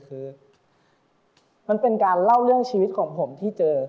คือมันเป็นการเล่าเรื่องชีวิตของผมที่เจอ